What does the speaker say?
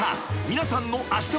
［皆さんの］